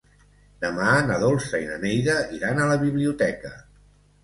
Demà na Dolça i na Neida iran a la biblioteca.